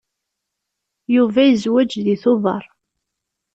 Yuba yezweǧ deg Tubeṛ.